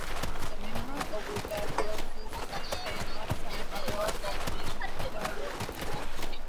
The members of the cloister spent much time at work or praying privately.